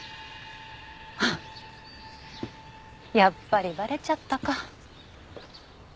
やっぱりバレちゃったか。